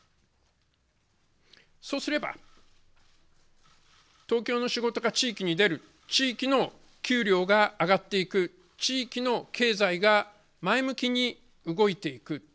そうすれば東京の仕事が地域に出る、地域の給料が上がっていく、地域の経済が前向きに動いていく。